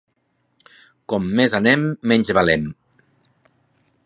Com més anem menys valem.